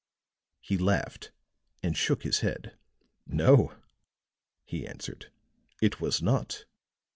He laughed and shook his head. "No," he answered, "it was not.